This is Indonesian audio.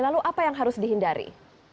lalu apa yang harus dihindari